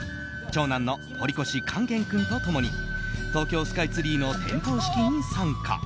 長男の堀越勸玄君と共に東京スカイツリーの点燈式に参加。